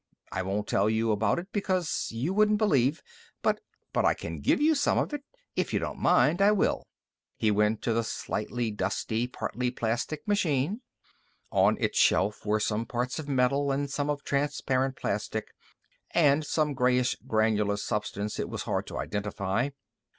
I won't tell you about it because you wouldn't believe but but I can give you some of it. If you don't mind, I will." He went to the slightly dusty, partly plastic machine. On its shelf were some parts of metal, and some of transparent plastic, and some grayish, granular substance it was hard to identify.